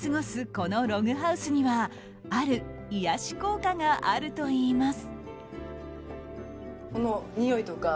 このログハウスにはある癒やし効果があるといいます。